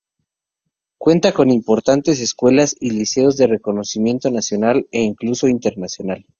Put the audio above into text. Cuenta con importantes escuelas y liceos de reconocimiento nacional e incluso internacional.